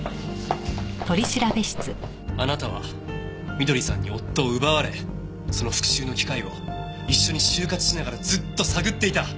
あなたは翠さんに夫を奪われその復讐の機会を一緒に終活しながらずっと探っていた。